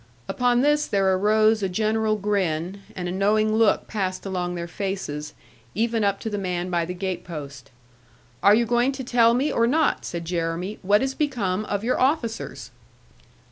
Upon this there arose a general grin, and a knowing look passed along their faces, even up to the man by the gatepost. 'Are you going to tell me, or not,' said Jeremy, 'what is become of your officers?'